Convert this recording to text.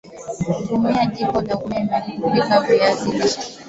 Tumia jiko la umeme kupika viazi lishe